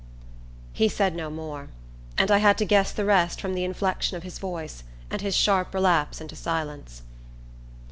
He said no more, and I had to guess the rest from the inflection of his voice and his sharp relapse into silence.